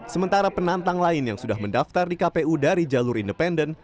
sementara penantang lain yang sudah mendaftar di kpu dari jalur independen